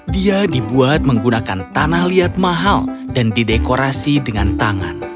dia dibuat menggunakan tanah liat mahal dan didekorasi dengan tangan